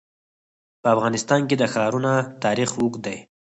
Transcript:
په افغانستان کې د ښارونه تاریخ اوږد دی.